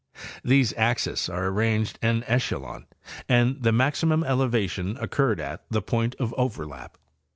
These axes are arranged en echelon and the maximum elevation occurred at. the point of overlap.